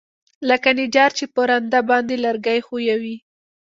لکه نجار چې په رنده باندى لرګى ښويوي.